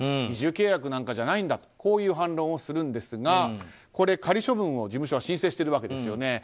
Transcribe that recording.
二重契約なんかじゃないんだという反論をするんですがこれ、仮処分を事務所は申請しているわけですね。